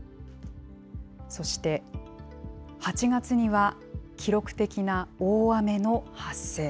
そして８月には、記録的な大雨の発生。